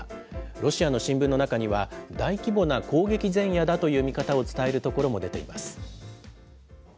ロシアの新聞の中には、大規模な攻撃前夜だという見方を伝えるところも出ています。